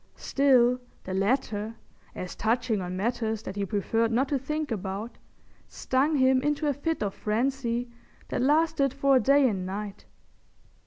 Still, the letter as touching on matters that he preferred not to think about stung him into a fit of frenzy that lasted for a day and night.